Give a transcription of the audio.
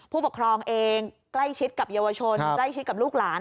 ผู้ปกครองเองใกล้ชิดกับเยาวชนใกล้ชิดกับลูกหลาน